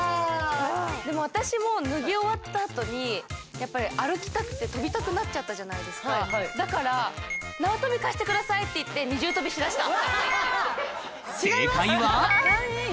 でも私も脱ぎ終わったあとにやっぱり歩きたくて跳びたくなっちゃったじゃないですかだから縄跳び貸してくださいって言って違います